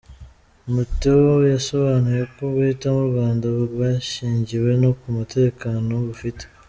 Mattew yasobanuye ko guhitamo u Rwanda byashingiye no ku mutekano rufite.